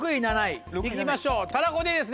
いきましょうたらこでいいですね？